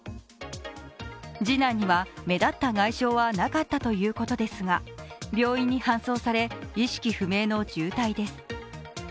次男には目立った外傷はなかったということですが病院に搬送され、意識不明の重体です。